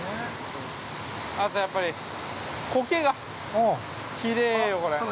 ◆あと、やっぱりコケがきれいよ、これ。